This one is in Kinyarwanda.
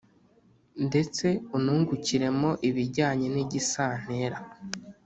ndetse unungukiremo ibijyanye n'igisantera